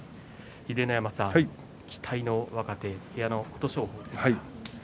秀ノ山さん期待の若手、琴勝峰です。